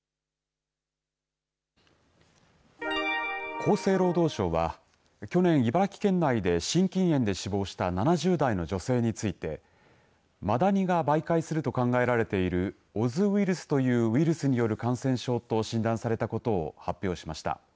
厚生労働省は去年、茨城県内で心筋炎で死亡した７０代の女性についてマダニが媒介すると考えられているオズウイルスというウイルスによる感染症と診断されたことを発表しました。